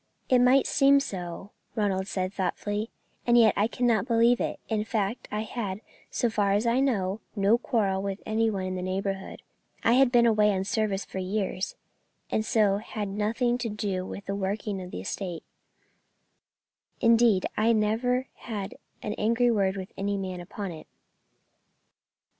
"It might seem so," Ronald said, thoughtfully, "and yet I cannot believe it; in fact, I had, so far as I know, no quarrel with any one in the neighbourhood. I had been away on service for years, and so had nothing to do with the working of the estate, indeed I never had an angry word with any man upon it."